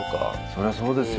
そりゃそうですよ